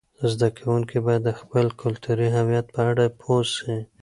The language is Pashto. زده کوونکي باید د خپل کلتوري هویت په اړه پوه سي.